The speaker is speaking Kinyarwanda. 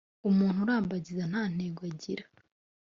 umuntu urambagiza nta ntego agira